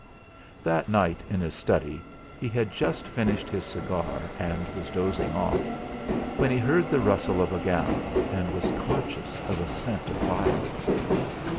That night in his study he had just finished his cigar and was dozing off, when he heard the rustle of a gown, and was conscious of a scent of violets.